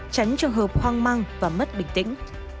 tránh trường hợp hoang mang và mất bình tĩnh